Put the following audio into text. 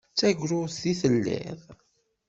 D tagrudt i telliḍ.